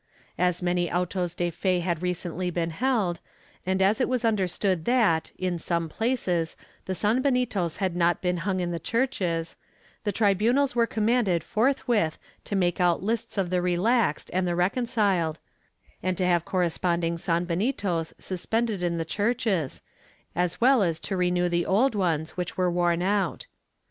As many autos de fe had recently been held, and as it was understood that, in some places, the san benitos had not been hung in the churches, the tribunals were commanded forthwith to make out lists of the relaxed and the reconciled, and to have corresponding sanbenitos suspended in the churches, as well as to renew the old ones which were worn out.